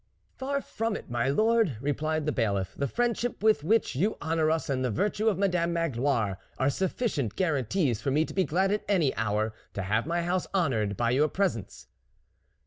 " Far from it, my lord," replied the Bailiff, " the friendship with which you honour us, and the virtue of Madame Magloire are sufficient guarantees for me to be glad at any hour to have my house honoured by your presence."